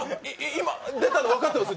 今、出たの分かってます？